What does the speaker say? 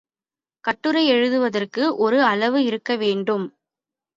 கட்டுரை எழுதுவதற்கும் ஒரு அளவு இருக்கவேண்டும்.